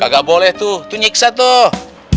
gak boleh tuh nyiksa tuh